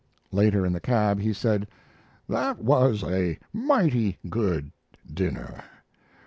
Later, in the cab, he said: "That was a mighty good dinner.